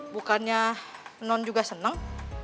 bukannya non juga seneng